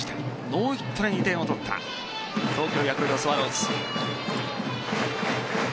ノーヒットで２点を取った東京ヤクルトスワローズ。